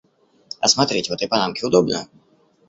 А смотреть в этой панамке удобно?